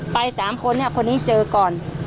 ไป๓คนเนี่ยคนนี้เจอก่อน